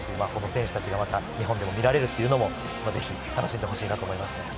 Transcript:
選手たちが日本でも見られるというのをぜひ楽しんでほしいと思います。